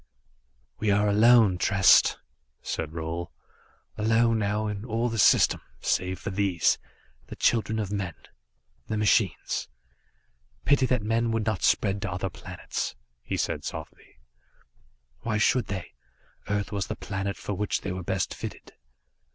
"We are alone, Trest," said Roal, "alone, now, in all the system, save for these, the children of men, the machines. Pity that men would not spread to other planets," he said softly. "Why should they? Earth was the planet for which they were best fitted."